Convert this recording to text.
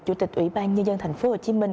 chủ tịch ủy ban nhân dân thành phố hồ chí minh